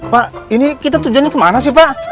pak ini kita tujuannya kemana sih pak